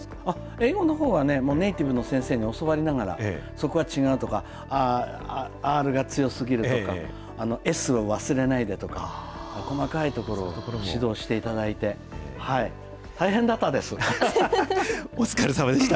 英語のほうはね、ネイティブの先生に教わりながら、そこは違うとか、Ｒが強すぎるとか、Ｓを忘れないでとか、細かいところを指導していただいて、大変だお疲れさまでした。